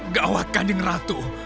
gawah kanding ratu